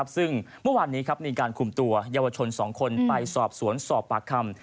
ซึ่งเมื่อวานนี้มีการคุมตัวเยาวชน๒คนไปสอบสวนสอบปากคำ